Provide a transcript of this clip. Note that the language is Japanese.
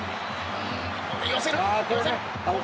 寄せる。